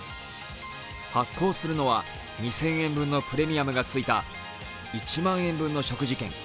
発行するのは２０００円のプレミアムがついた１万円分の食事券